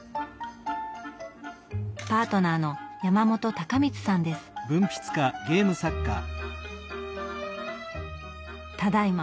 パートナーのただいま